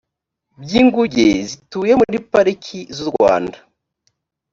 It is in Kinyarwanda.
by inguge zituye muri pariki z u rwanda